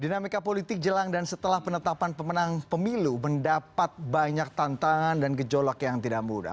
dinamika politik jelang dan setelah penetapan pemenang pemilu mendapat banyak tantangan dan gejolak yang tidak mudah